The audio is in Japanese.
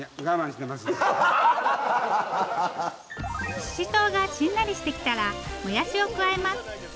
ししとうがしんなりしてきたらもやしを加えます。